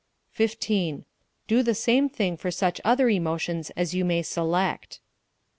15. Do the same thing for such other emotions as you may select. 16.